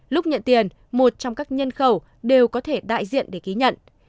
lúc nhận tiền một trong các nhân khẩu đều có thể đại diện để ký nhận